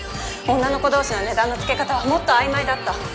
女の子同士の値段のつけ方はもっと曖昧だった。